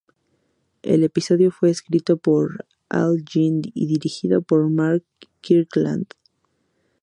El episodio fue escrito por Al Jean y dirigido por Mark Kirkland.